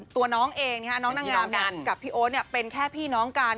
ตัวน้องเองน้องนางงามกับพี่โอ๊ตเป็นแค่พี่น้องกัน